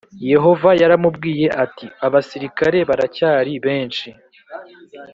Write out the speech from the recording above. Yehova yaramubwiye ati abasirikare baracyari benshi